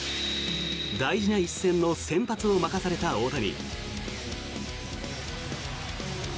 大事な一戦の先発を任された大谷。